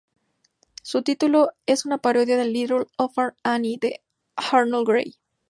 Su título es una parodia de "Little Orphan Annie" de Harold Gray.